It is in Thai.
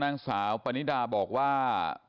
นางสาวปนิดาบอกว่า